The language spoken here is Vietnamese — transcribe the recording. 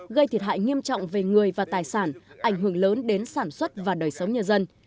gây thiệt hại nghiêm trọng về người và tài sản ảnh hưởng lớn đến sản xuất và đời sống nhân dân